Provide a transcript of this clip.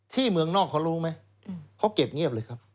เมืองนอกเขารู้ไหมเขาเก็บเงียบเลยครับ